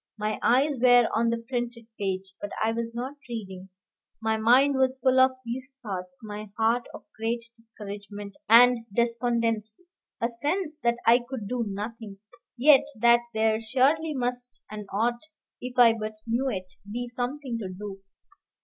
My eyes were on the printed page, but I was not reading; my mind was full of these thoughts, my heart of great discouragement and despondency, a sense that I could do nothing, yet that there surely must and ought, if I but knew it, be something to do.